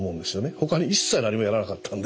ほかに一切何もやらなかったんで。